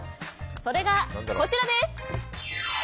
それがこちらです。